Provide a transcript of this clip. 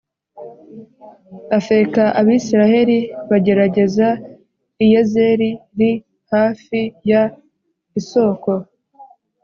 Afeka Abisirayeli bagerereza i Yezer li hafi y is ko